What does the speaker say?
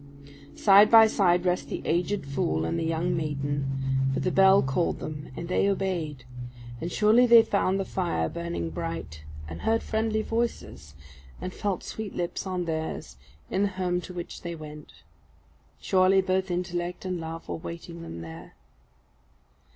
Side by side rest the aged fool and the young maiden; for the bell called them, and they obeyed; and surely they found the fire burning bright, and heard friendly voices, and felt sweet lips on theirs, in the home to which they went. Surely both intellect and love were waiting them there.